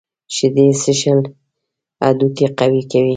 شیدې څښل هډوکي قوي کوي.